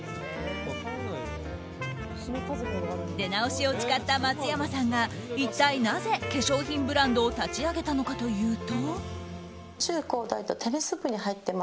出直しを誓った松山さんが一体なぜ、化粧品ブランドを立ち上げたのかというと。